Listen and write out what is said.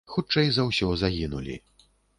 Хутчэй за ўсё, загінулі.